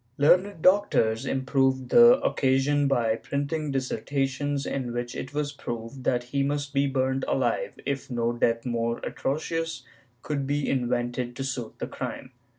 Learned doctors improved the occasion by printing dissertations in which it was proved that he must be burnt alive, if no death more atrocious could be invented to suit the crime.